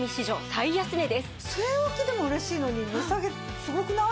据え置きでも嬉しいのに値下げすごくない？